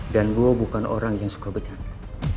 dan gue bukan orang yang suka bercanda